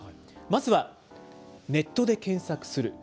まずはネットで検索する。